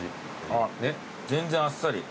あぁ全然あっさり。